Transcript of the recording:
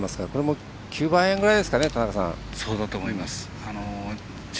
これも９番アイアンぐらいですかね。